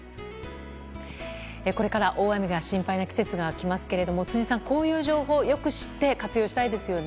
これから大雨が心配な季節が来ますけども辻さん、こういう情報をよく知って活用したいですよね。